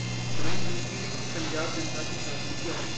प्रधानमंत्री ने की पंजाब की जनता से शांति की अपील